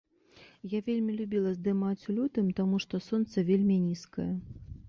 Я вельмі любіла здымаць у лютым, таму што сонца вельмі нізкае.